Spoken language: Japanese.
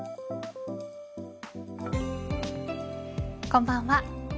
こんばんは。